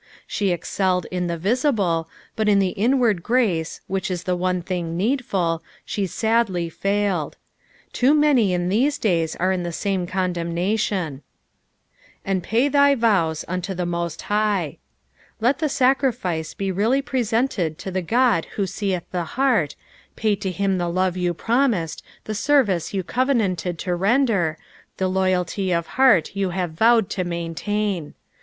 She excelled in the visible, but in the inward grace, which ia the one thing needful, she sadly failed. Too many in these days are in the same condemnation, "And pay thy vowt unto the mo»t High." Let the Bacriflce be really presented to the Qod who seeth the heart, pay to him the lOTQ yuu promised, the service you covenanted to render, the loyalty of heart you have vowed to maintain.